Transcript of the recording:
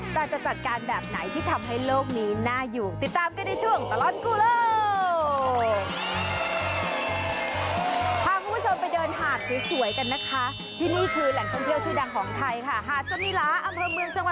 แต่จะจัดการแบบไหนที่ทำให้โลกนี้น่าอยู่ติดตามกันในช่วงตลอดกู้โลก